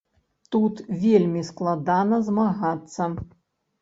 Тут вельмі складана змагацца.